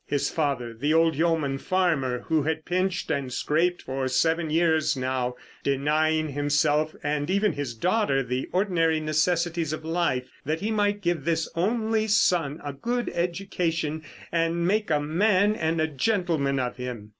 His father, the old yeoman farmer who had pinched and scraped for seven years now, denying himself and even his daughter the ordinary necessities of life that he might give this only son a good education and make a man and a gentleman of him.